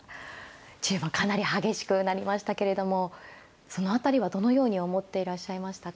中盤かなり激しくなりましたけれどもその辺りはどのように思っていらっしゃいましたか。